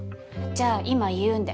じゃあ今言うんで。